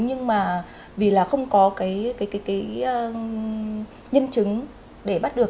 nhưng mà vì là không có cái nhân chứng để bắt được